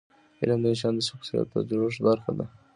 علم د انسان د شخصیت د جوړښت برخه ده.